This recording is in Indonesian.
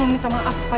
tapi dengan kokugo